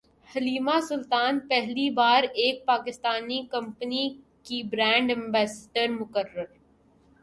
Halima Sultan پہلی بار ایک پاکستانی کمپنی کی برانڈ ایمبیسڈر مقرر